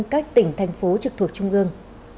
các tỉnh thành phố trực thuộc trung ương